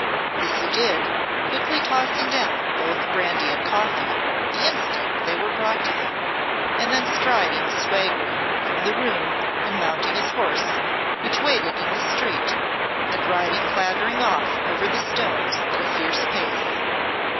This he did, quickly tossing down both brandy and coffee the instant they were brought to him, and then striding swaggering from the room and mounting his horse, which waited in the street, and riding clattering off over the stones at a fierce pace.